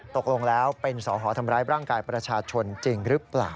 ตกลงแล้วเป็นสอหอทำร้ายร่างกายประชาชนจริงหรือเปล่า